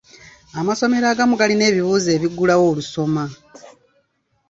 Amasomero agamu galina ebibuuzo ebiggulawo olusoma.